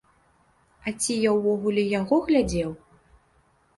А ці я ўвогуле яго глядзеў?